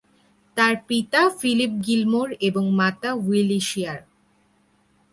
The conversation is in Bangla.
তার পিতা ফিলিপ গিলমোর এবং মাতা উইলিশিয়া।